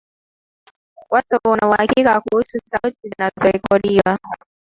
watu wana uhakika kuhusu sauti zinazorekodiwa